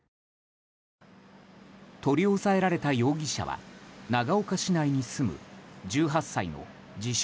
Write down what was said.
取り押さえられた容疑者は長岡市内に住む１８歳の自称